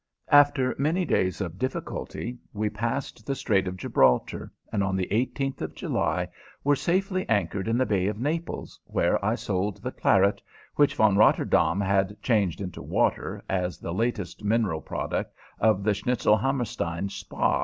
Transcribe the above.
After many days of difficulty we passed the Strait of Gibraltar, and on the 18th of July were safely anchored in the Bay of Naples, where I sold the claret, which Von Rotterdaam had changed into water, as the latest mineral product of the Schnitzelhammerstein Spa.